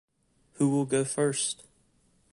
Who will go first?